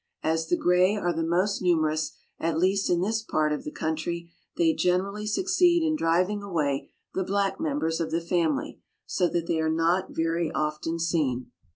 As the gray are the most numerous, at least in this part of the country, they generally succeed in driving away the black members of the family, so that they are not very often seen.